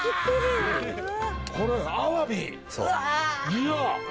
いや！